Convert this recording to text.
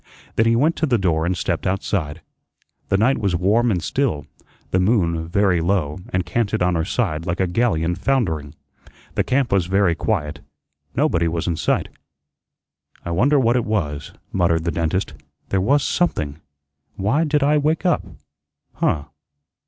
Then he went to the door and stepped outside. The night was warm and still; the moon, very low, and canted on her side like a galleon foundering. The camp was very quiet; nobody was in sight. "I wonder what it was," muttered the dentist. "There was something why did I wake up? Huh?"